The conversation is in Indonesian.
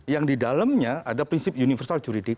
yang didalamnya ada prinsip universal juridiksen